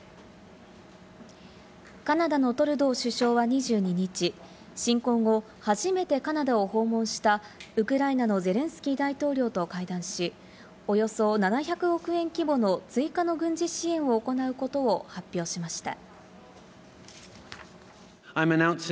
カナダのトルドー首相は２２日、侵攻後、初めてカナダを訪問したウクライナのゼレンスキー大統領と会談し、およそ７００億円規模の追加の軍事支援を行うことを発表しました。